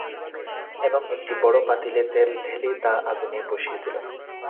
এবং একটি বড় পাতিলে তেল ঢেলে তা আগুনে বসিয়ে দিল।